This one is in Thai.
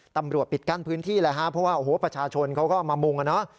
ตำรวจปิดกั้นพื้นที่เลยครับเพราะว่าประชาชนเขาก็มามุงนะ